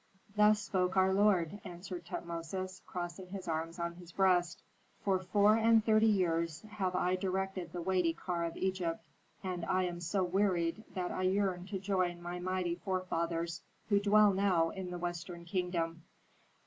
"Thus spoke our lord," answered Tutmosis, crossing his arms on his breast: "'For four and thirty years have I directed the weighty car of Egypt, and I am so wearied that I yearn to join my mighty forefathers who dwell now in the western kingdom.